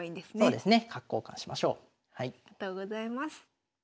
ありがとうございます。